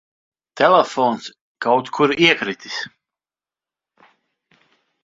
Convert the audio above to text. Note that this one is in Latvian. Telefons kaut kur iekritis.